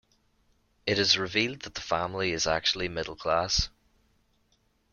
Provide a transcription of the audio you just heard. It is revealed that the family is actually middle class.